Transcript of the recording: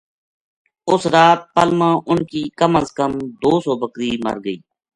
اُس رات پل ما ان کی کم از کم دو سو بکری مرگئی